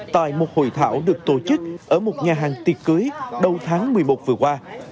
tại một hội thảo được tổ chức ở một nhà hàng tiệc cưới đầu tháng một mươi một vừa qua